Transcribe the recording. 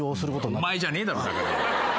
お前じゃねえだろだから。